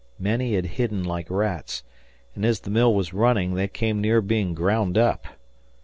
Many had hidden like rats, and as the mill was running, they came near being ground up.